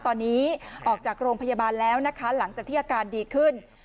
ตอนนี้ออกจากโรงพยาบาลแล้วนะคะหลังจากที่อาการดีขึ้น